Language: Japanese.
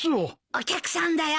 お客さんだよ